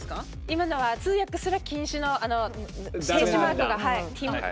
今のは通訳すら禁止の停止マークがはい。